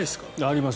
あります。